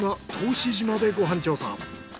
志島でご飯調査。